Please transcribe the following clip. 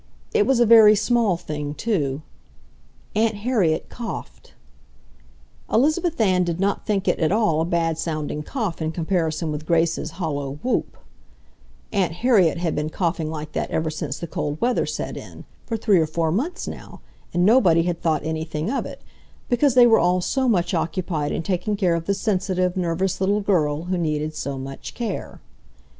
It was a very small thing, too. Aunt Harriet coughed. Elizabeth Ann did not think it at all a bad sounding cough in comparison with Grace's hollow whoop; Aunt Harriet had been coughing like that ever since the cold weather set in, for three or four months now, and nobody had thought anything of it, because they were all so much occupied in taking care of the sensitive, nervous little girl who needed so much care.